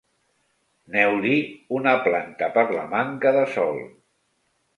Neuli una planta per la manca de sol.